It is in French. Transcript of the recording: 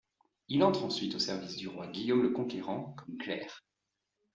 Il entre ensuite au service du roi Guillaume le Conquérant comme clerc.